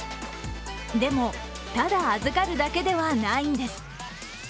でも、ただ預かるだけではないんです。